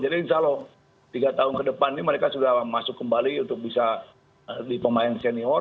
jadi insya allah tiga tahun ke depan ini mereka sudah masuk kembali untuk bisa di pemain senior